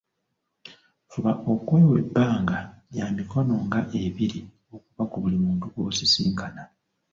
Fuba okwewa ebbanga lya mikono nga ebiri okuva ku buli muntu gw’osisinkana.